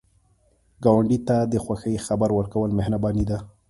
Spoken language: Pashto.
ګاونډي ته د خوښۍ خبر ورکول مهرباني ده